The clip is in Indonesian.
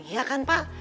iya kan pak